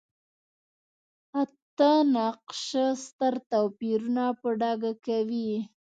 اته نقشه ستر توپیرونه په ډاګه کوي.